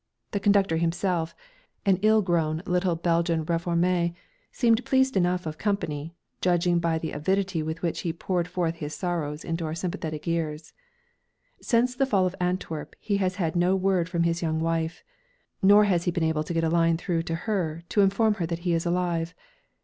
The conductor himself, an ill grown little Belgian réformé, seemed pleased enough of company, judging by the avidity with which he poured forth his sorrows into our sympathetic ears. Since the fall of Antwerp he has had no word from his young wife, nor has he been able to get a line through to her to inform her that he is alive.